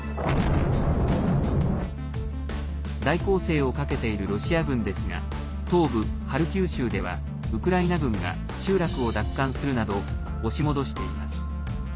大攻勢をかけているロシア軍ですが東部ハルキウ州ではウクライナ軍が集落を奪還するなど押し戻しています。